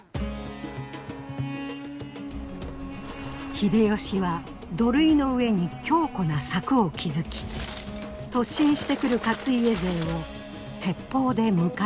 秀吉は土塁の上に強固な柵を築き突進してくる勝家勢を鉄砲で迎え撃った。